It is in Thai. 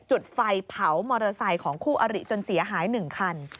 จุดไฟเผามอเตอร์ไซค์ของคู่อริจนเสียหาย๑คัน